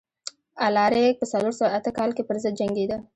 الاریک په څلور سوه اته کال کې پرضد جنګېده.